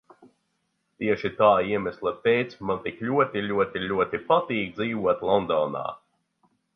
Tieši tā iemesla pēc man tik ļoti, ļoti, ļoti patīk dzīvot Londonā.